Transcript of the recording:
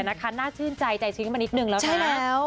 น่าชื่นใจใจชิงขึ้นไปนิดหนึ่งแล้ว